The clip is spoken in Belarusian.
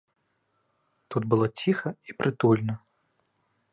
Тут было ціха і прытульна.